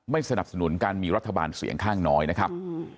สนับสนุนการมีรัฐบาลเสียงข้างน้อยนะครับ